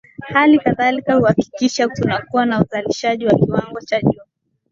hali kadhalika kuhakikisha kunakuwa na uzalishaji kwa kiwango cha juu